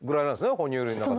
哺乳類の中では。